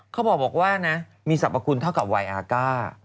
เขาบอกว่านะมีสรรพคุณเท่ากับวัยอาก้า